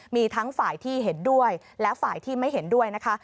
มีทั้งฝ่ายที่เห็นด้วยและฝ่ายที่ไม่เห็นด้วยนะคะ